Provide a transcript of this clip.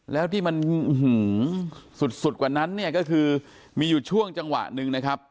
แล้วที่มันสุดกว่านั้นเนี่ยก็คือมีอยู่ช่วงจังหวะหนึ่งนะครับ